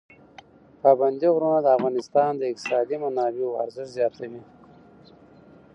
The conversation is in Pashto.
پابندي غرونه د افغانستان د اقتصادي منابعو ارزښت زیاتوي.